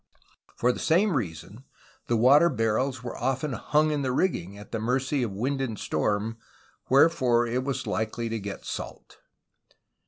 For the same reason, the water barrels were often hung in the rigging, at the mercy of wind and storm, wherefore it was likely to get salt.